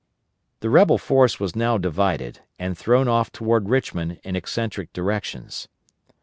The rebel force was now divided, and thrown off toward Richmond in eccentric directions.